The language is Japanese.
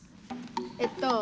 えっと